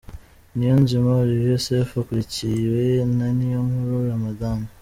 Niyonzima Olivier Sefu akurikiwe na Niyonkuru Ramadhan .